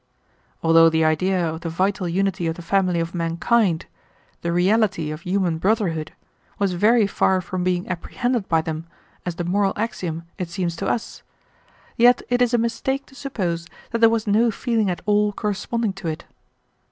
"Although the idea of the vital unity of the family of mankind, the reality of human brotherhood, was very far from being apprehended by them as the moral axiom it seems to us, yet it is a mistake to suppose that there was no feeling at all corresponding to it.